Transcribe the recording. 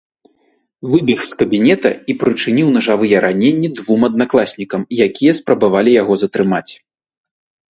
Выбег з кабінета і прычыніў нажавыя раненні двум аднакласнікам, якія спрабавалі яго затрымаць.